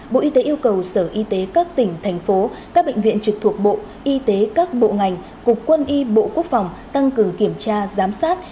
bộ y tế yêu cầu sở y tế các tỉnh thành phố các bệnh viện trực thuộc bộ y tế các bộ ngành cục quân y bộ quốc phòng tăng cường kiểm tra giám sát